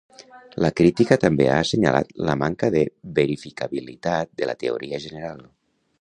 La crítica també ha assenyalat la manca de verificabilitat de la teoria general.